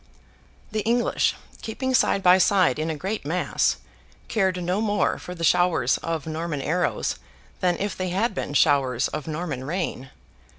The English, keeping side by side in a great mass, cared no more for the showers of Norman arrows than if they had been showers of Norman rain.